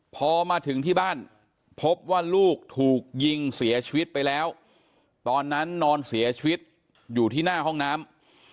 พอมาถึงที่บ้านพบว่าลูกถูกยิงเสียชีวิตไปแล้วตอนนั้นนอนเสียชีวิตอยู่ที่หน้าห้องน้ำ